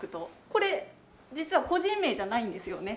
これ実は個人名じゃないんですよね。